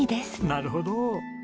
なるほど！